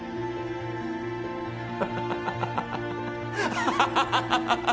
ハハハアハハ。